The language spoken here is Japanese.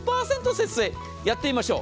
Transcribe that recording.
節水、やってみましょう。